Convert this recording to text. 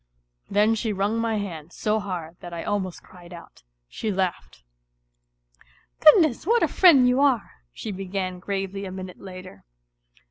Then she wrung my hand so hard that I almost cried out. She laughed. " Ciuodncss, what a friend you are !" she began gravely a minute later.